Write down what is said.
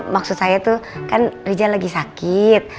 maksud saya tuh kan rijal lagi sakit